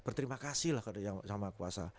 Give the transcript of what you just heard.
berterima kasih lah yang sama kuasa